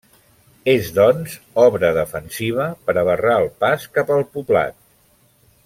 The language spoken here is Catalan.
És doncs, obra defensiva per a barrar el pas cap al poblat.